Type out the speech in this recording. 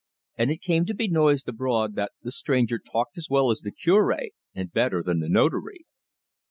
And it came to be noised abroad that the stranger talked as well as the Cure and better than the Notary.